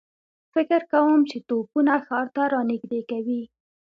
فکر کوم چې توپونه ښار ته را نږدې کوي.